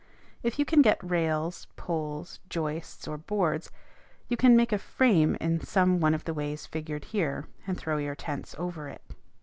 If you can get rails, poles, joists, or boards, you can make a frame in some one of the ways figured here, and throw your tents over it.